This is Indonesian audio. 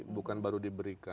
bukan baru diberikan